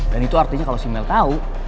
dan itu artinya kalo si mel tau